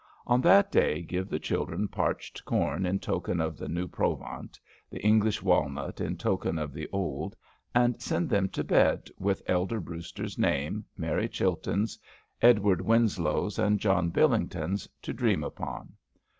On that day give the children parched corn in token of the new provant, the English walnut in token of the old, and send them to bed with Elder Brewster's name, Mary Chilton's, Edward Winslow's, and John Billington's, to dream upon.